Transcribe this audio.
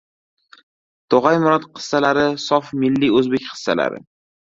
Tog‘ay Murod qissalari sof milliy o‘zbek qissalari.